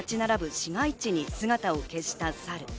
市街地に姿を消したサル。